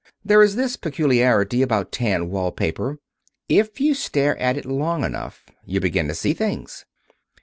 There is this peculiarity about tan wall paper. If you stare at it long enough you begin to see things.